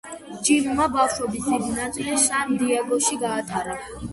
ჯიმმა ბავშვობის დიდი ნაწილი სან-დიეგოში გაატარა.